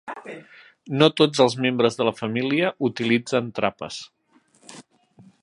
No tots els membres de la família utilitzen trapes.